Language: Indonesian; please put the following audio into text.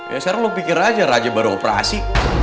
ya sekarang lo pikir aja raji baru operasi